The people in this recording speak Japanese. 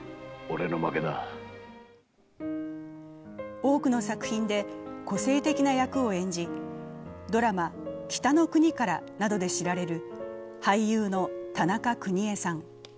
多くの作品で個性的な役を演じドラマ「北の国から」などで知られる俳優の田中邦衛さん。